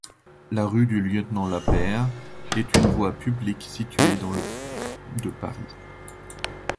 La rue du Lieutenant-Lapeyre est une voie publique située dans le de Paris.